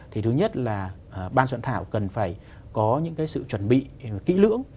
thì thứ nhất là ban soạn thảo cần phải có những cái sự chuẩn bị kỹ lưỡng